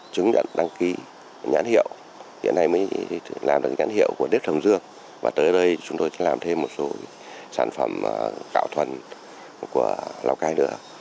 chúng tôi đã đăng ký nhãn hiệu hiện nay mới làm được nhãn hiệu của đếp thồng dương và tới đây chúng tôi sẽ làm thêm một số sản phẩm cạo thuần của lào cai nữa